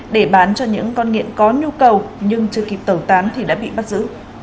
để bán cho những con nghiện có nhu cầu nhưng chưa kịp tẩu tán thì đã bị bắt giữ